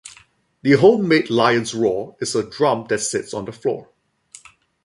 The home-made lion's roar is a drum that sits on the floor.